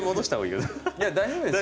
いや大丈夫ですよ。